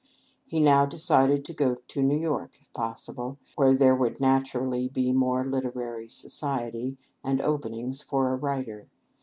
He now decided to go to New York if possible, where there would naturally be more literary society, and openings for a writer.